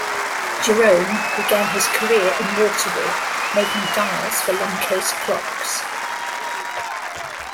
Jerome began his career in Waterbury, making dials for long-case clocks.